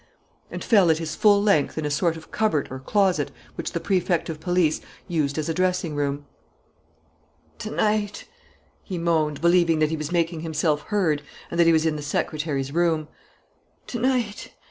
and fell at his full length in a sort of cupboard or closet which the Prefect of Police used as a dressing room. "To night!" he moaned, believing that he was making himself heard and that he was in the secretary's room. "To night!